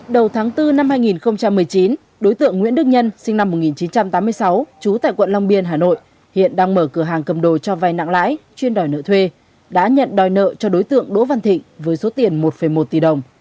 đầu tháng bốn năm hai nghìn một mươi chín đối tượng nguyễn đức nhân sinh năm một nghìn chín trăm tám mươi sáu trú tại quận long biên hà nội hiện đang mở cửa hàng cầm đồ cho vai nặng lãi chuyên đòi nợ thuê đã nhận đòi nợ cho đối tượng đỗ văn thịnh với số tiền một một tỷ đồng